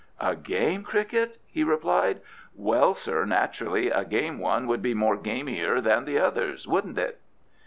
"A game cricket?" he replied; "well, sir, naturally a game one would be more gamier than the others, wouldn't it?"